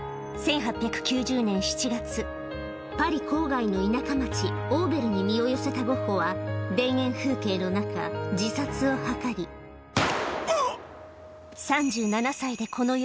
パリ郊外の田舎町オーヴェルに身を寄せたゴッホは田園風景の中自殺を図りうっ！